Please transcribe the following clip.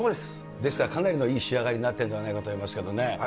ですからかなりのいい仕上がりになってるんじゃないかと思いますけどね。